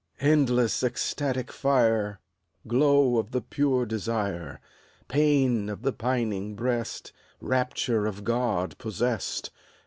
Endless ecstatic fire, Glow of the pure desire. Pain of the pining breast. Rapture of Qod possessed!